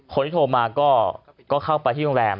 คนที่โทรมาก็เข้าไปที่โรงแรม